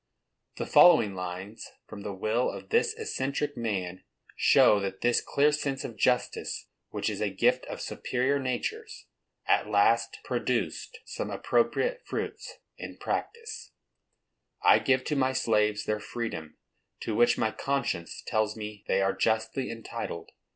The following lines from the will of this eccentric man show that this clear sense of justice, which is a gift of superior natures, at last produced some appropriate fruits in practice: _I give to my slaves their freedom, to which my conscience tells me they are justly entitled.